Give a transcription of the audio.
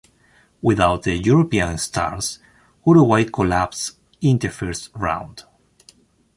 Without the "European" stars, Uruguay collapsed in the first round.